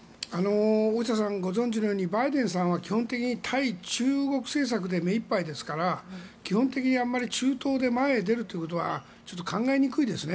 大下さん、ご存じのようにバイデンさんは対中国政策で手いっぱいですから中東に対して前に出るということは考えにくいですね。